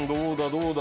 どうだ？